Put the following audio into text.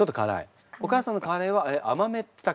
お母さんのカレーは甘めだっけ？